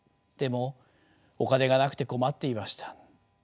でもお金がなくて困っていました。